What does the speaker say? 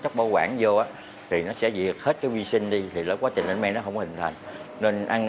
chất bảo quản vô thì nó sẽ diệt hết cái vi sinh đi thì quá trình ăn men nó không hình thành nên ăn